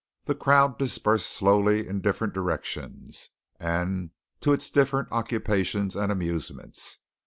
The crowd dispersed slowly in different directions, and to its different occupations and amusements.